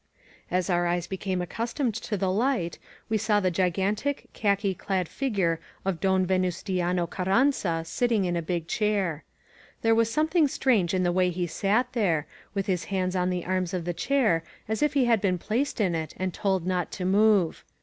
As our eyes became accustomed to the light, we saw the gigantic, khaki clad figure of Don Venustiano Carranza sitting in a big chair. There was something strange in the way he sat there, with his hands on the arms of the chair, as if he had been placed in it and told not to move.